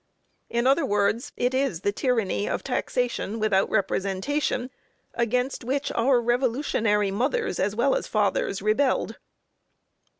In other words, it is the tyranny of taxation without representation, against which our revolutionary mothers, as well as fathers, rebelled."